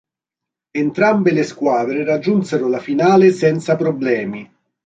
Entrambe le squadre raggiunsero la finale senza problemi.